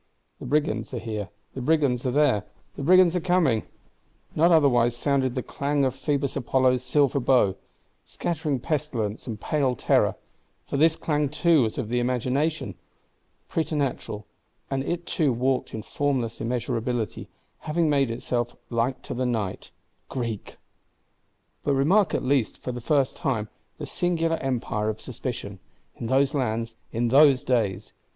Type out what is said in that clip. The Brigands are here: the Brigands are there; the Brigands are coming! Not otherwise sounded the clang of Phoebus Apollo's silver bow, scattering pestilence and pale terror; for this clang too was of the imagination; preternatural; and it too walked in formless immeasurability, having made itself like to the Night (νυκτὶ ἐοικώς.)! But remark at least, for the first time, the singular empire of Suspicion, in those lands, in those days.